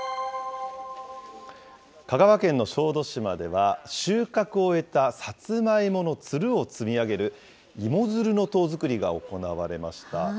香川県の小豆島では、収穫を終えたサツマイモのつるを積み上げる、芋づるの塔作りが行われました。